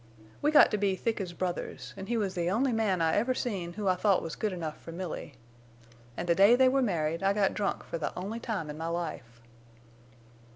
We got to be thick as brothers, an' he was the only man I ever seen who I thought was good enough for Milly. An' the day they were married I got drunk for the only time in my life.